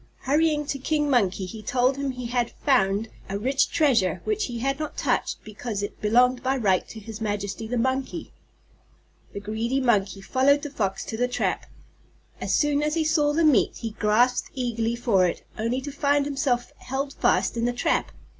Hurrying to King Monkey, he told him he had found a rich treasure, which he had not touched because it belonged by right to his majesty the Monkey. The greedy Monkey followed the Fox to the trap. As soon as he saw the meat he grasped eagerly for it, only to find himself held fast in the trap.